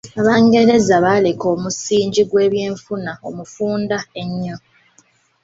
Abangereza baaleka omusingi gw'ebyefuna omufunda ennyo